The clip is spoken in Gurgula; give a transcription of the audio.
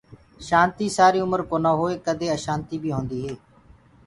شآنتي سآري اُمر ڪونآ هوئي ڪدي اشآنتي بي هوندي هي